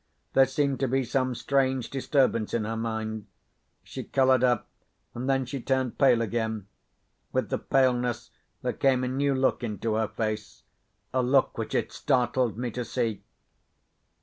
There seemed to be some strange disturbance in her mind. She coloured up, and then she turned pale again. With the paleness, there came a new look into her face—a look which it startled me to see.